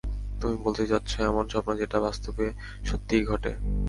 তুমি বলতে চাচ্ছো এমন স্বপ্ন যেটা বাস্তবে সত্যিই ঘটে?